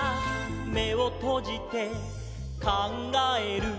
「めをとじてかんがえる」